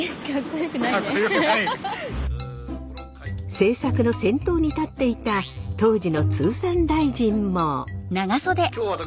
政策の先頭に立っていた当時の通産大臣も。